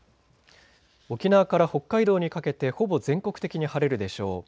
沖縄から北海道にかけてほぼ全国的に晴れるでしょう。